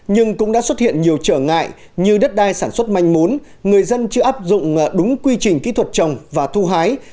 nhưng cũng đã xuất hiện nhiều trở ngại như đất đai sản xuất manh mún người dân chưa áp dụng đúng quy trình kỹ thuật trồng và thu hái